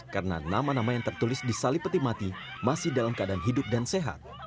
karena nama nama yang tertulis di salib peti mati masih dalam keadaan hidup dan sehat